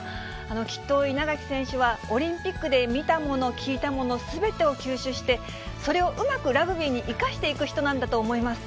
きっと、稲垣選手はオリンピックで見たもの、聞いたものすべてを吸収して、それをうまくラグビーに生かしていく人なんだと思います。